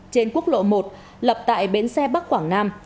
trên quốc lộ một lập tại bến xe bắc quảng nam